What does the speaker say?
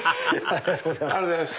ありがとうございます。